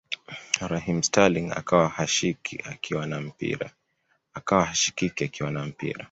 Raheem Sterling akawa hashikiki akiwa na mpira